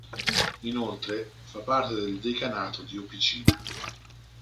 Inoltre, fa parte del decanato di Opicina.